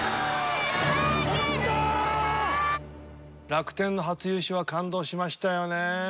楽天の初優勝は感動しましたよね。